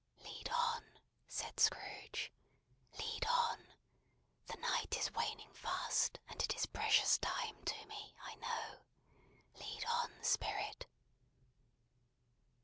"Lead on!" said Scrooge. "Lead on! The night is waning fast, and it is precious time to me, I know. Lead on, Spirit!"